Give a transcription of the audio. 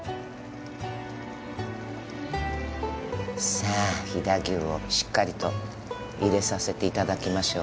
さぁ飛騨牛をしっかりと入れさせていただきましょう。